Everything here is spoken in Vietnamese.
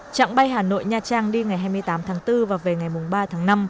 trạng bay hà nội nha trang đi ngày hai mươi tám tháng bốn và về ngày ba tháng năm